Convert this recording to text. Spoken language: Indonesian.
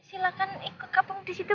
silahkan ikut ke kampung disitu